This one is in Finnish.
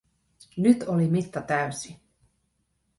Nyt oli mitta täysi.